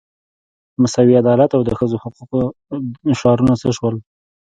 مساوي عدالت او د ښځو حقوقو شعارونه څه شول.